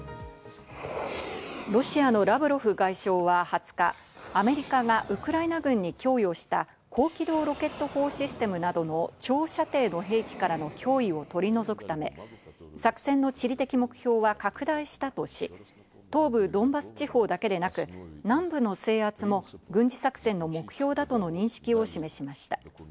ロシアのラブロフ外相は２０日、アメリカがウクライナ軍に供与した高機動ロケット砲システムなどの長射程の兵器からの脅威を取り除くため、作成の地理的目標は拡大したとし、東部ドンバス地方だけでなく、南部の制圧も軍事作戦の目標だとの認識を示しました。